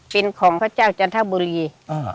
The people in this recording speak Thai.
เป็นของพระเจ้าจันทบุรี